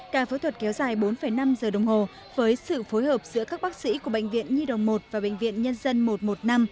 ca phẫu thuật kéo dài bốn năm giờ đồng hồ với sự phối hợp giữa các bác sĩ của bệnh viện nhi đồng một và bệnh viện nhân dân một trăm một mươi năm